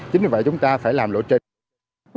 chính vì vậy chúng ta phải làm lộ trên